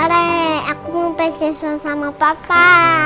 oleh aku mau pecesan sama papa